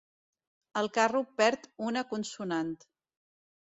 El carro perd una consonant.